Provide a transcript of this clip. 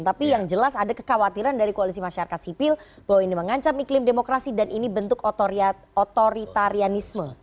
tapi yang jelas ada kekhawatiran dari koalisi masyarakat sipil bahwa ini mengancam iklim demokrasi dan ini bentuk otoritarianisme